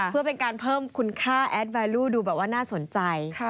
เพื่อเป็นการเพิ่มคุณค่าแอดแวลูดูแบบว่าน่าสนใจ